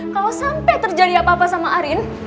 kalau sampai terjadi apa apa sama arin